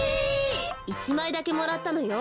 １まいだけもらったのよ。